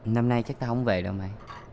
năm nay chắc ta không về đâu mẹ